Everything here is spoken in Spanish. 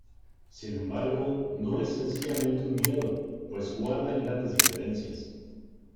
Sin embargo, no es sencillamente un miedo, pues guardan grandes diferencias.